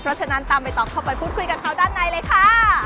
เพราะฉะนั้นตามใบตองเข้าไปพูดคุยกับเขาด้านในเลยค่ะ